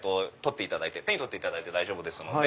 手に取っていただいて大丈夫ですので。